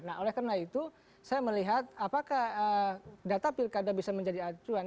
nah oleh karena itu saya melihat apakah data pilkada bisa menjadi acuan